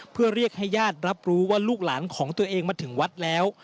เพื่อเรียกให้ญาติรับรู้ว่าลูกหลานของตัวเองมาถึงวัดแล้ว